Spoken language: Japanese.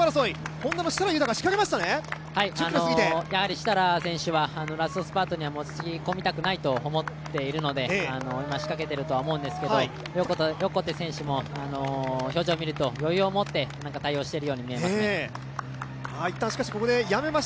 設楽選手はラストスパートには持ち込みたくないと思っているので今、仕掛けているとは思うんですけど、横手選手も表情を見ると余裕を持って対応しているように見えます。